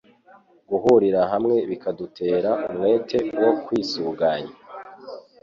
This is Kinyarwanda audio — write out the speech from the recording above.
guhurira hamwe bikadutera umwete wo kwisuganya